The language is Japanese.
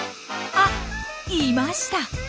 あいました！